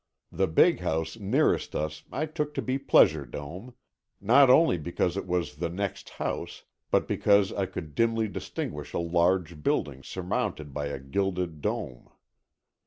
The big house nearest us I took to be Pleasure Dome. Not only because it was the next house, but because I could dimly distinguish a large building surmounted by a gilded dome.